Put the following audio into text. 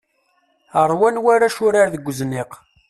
Rwan warrac urar deg uzniq.